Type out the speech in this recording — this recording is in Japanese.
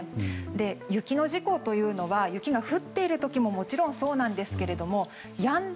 雪の事故というのは雪が降っている時ももちろんそうなんですけどやんだ